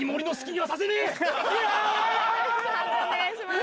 判定お願いします。